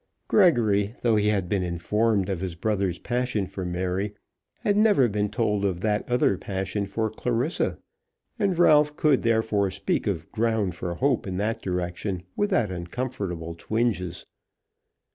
Gregory, though he had been informed of his brother's passion for Mary, had never been told of that other passion for Clarissa; and Ralph could therefore speak of ground for hope in that direction without uncomfortable twinges.